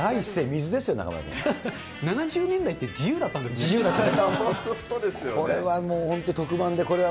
７０年代って自由だったんで自由だった。